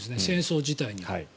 戦争自体に。